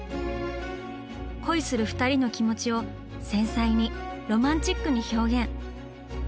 恋する２人の気持ちを繊細にロマンチックに表現！